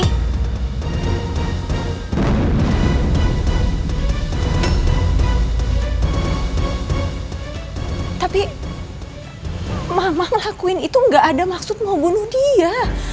tapi mama ngelakuin itu gak ada maksud mau bunuh dia